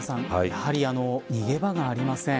やはり逃げ場がありません。